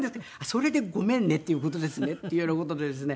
それで「ごめんね」っていう事ですねっていうような事でですね